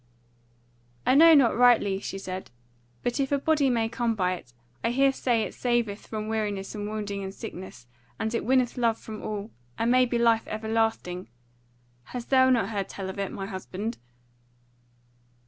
"I know not rightly," she said, "but if a body might come by it, I hear say it saveth from weariness and wounding and sickness; and it winneth love from all, and maybe life everlasting. Hast thou not heard tell of it, my husband?"